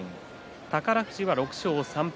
宝富士は６勝３敗。